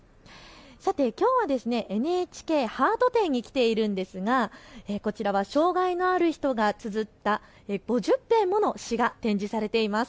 さて、きょうはＮＨＫハート展に来ているんですが、こちらは障害のある人がつづった５０編もの詩が展示されています。